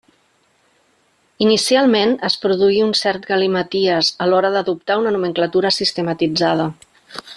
Inicialment, es produí un cert galimaties a l'hora d'adoptar una nomenclatura sistematitzada.